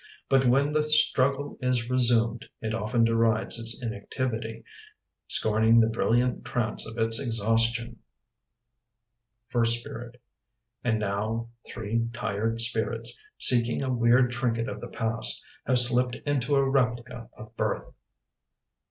But when the struggle is resumed, It often derides its inactivity, Scorning the brilliant trance of its exhaustion! First Spirit And now, three tired spirits, Seeking a weird trinket of the past, Have slipped into a replica of birth.